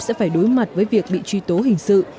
sẽ phải đối mặt với việc bị truy tố hình sự